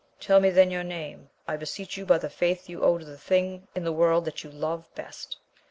Tell me then your name I beseech you by the faith you owe to the thing in the world that you love best.